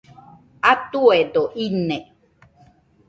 Atuedo ine